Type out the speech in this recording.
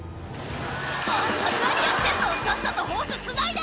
「あんた何やってんのさっさとホースつないで！」